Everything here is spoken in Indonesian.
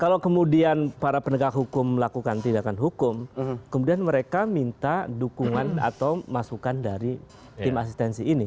kalau kemudian para penegak hukum melakukan tindakan hukum kemudian mereka minta dukungan atau masukan dari tim asistensi ini